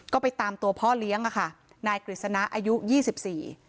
ก็ไปตามตัวพ่อเลี้ยงอ่ะค่ะนายกฤษณะอายุยี่สิบสี่